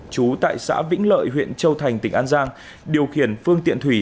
trú tại xã vĩnh lợi huyện châu thành tỉnh an giang điều khiển phương tiện thủy